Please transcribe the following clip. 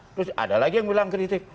terus ada lagi yang bilang kritik